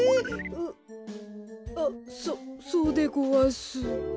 う。あっそそうでごわす。